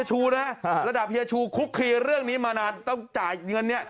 ระดับเฮียชูคุกคลีเรื่องนี้มานานต้องจ่ายเงินเนี่ย